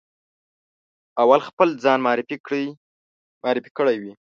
اول خپل ځان معرفي کړی وي.